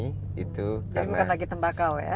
jadi bukan lagi tembakau ya